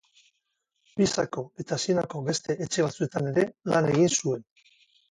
Pisako eta Sienako beste etxe batzuetan ere lan egin zuen.